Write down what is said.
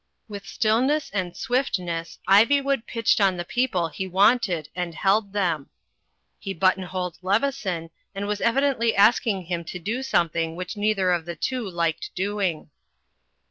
With stillness and swiftness, Ivywood pitched on the people he wanted and held them. He button holed Leveson and was evidently asking him to do something which neither of the two liked doing.